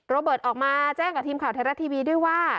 เบิร์ตออกมาแจ้งกับทีมข่าวไทยรัฐทีวีด้วยว่า